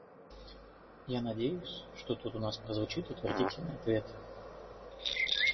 Я надеюсь, что тут у нас прозвучит утвердительный ответ.